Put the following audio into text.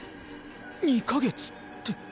２か月って。